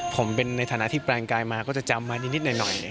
ผมเป็นในฐานะที่แปลงกายมาก็จะจำมานิดหน่อย